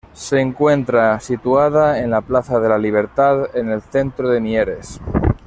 Se encuentra situada en la Plaza de la Libertad, en el centro de Mieres.